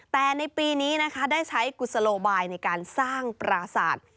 แต่ในปีนี้นะคะได้ใช้กุศโลบายในการสร้างปราศาสตร์